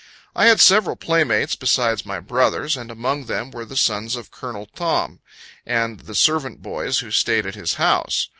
I had several playmates, besides my brothers, and among them were the sons of Col. Thom, and the servant boys who stayed at his house.